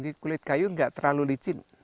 kulit kayu tidak terlalu licin